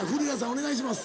お願いします。